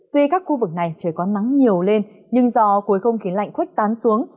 tuy các khu vực này trời có nắng nhiều lên nhưng do khối không khí lạnh khuếch tán xuống